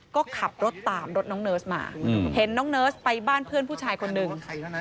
ก็ขับรถตามรถน้องเนิร์สมาเห็นน้องเนิร์สไปบ้านเพื่อนผู้ชายคนหนึ่ง